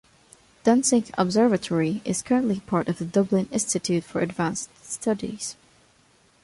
Dunsink observatory is currently part of the Dublin Institute for Advanced Studies.